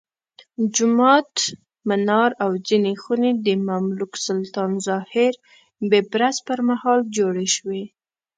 جومات، منار او ځینې خونې د مملوک سلطان الظاهر بیبرس پرمهال جوړې شوې.